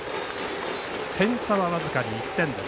点差は僅かに１点です。